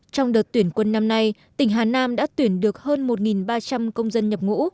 trong đợt tuyển quân năm nay tỉnh hà nam đã tuyển được hơn một ba trăm linh công dân nhập ngũ